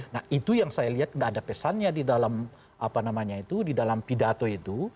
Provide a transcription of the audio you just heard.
nah itu yang saya lihat tidak ada pesannya di dalam pidato itu